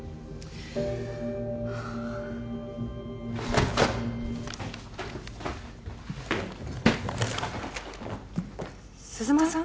はあ鈴間さん？